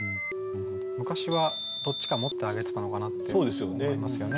昔はどっちか持ってあげてたのかなって思いますよね。